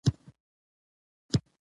عواقب به یې خورا ګران تمام شي.